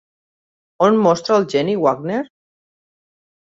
On mostra el geni Wagner?